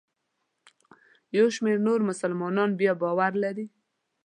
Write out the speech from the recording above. یو شمېر نور مسلمانان بیا باور لري.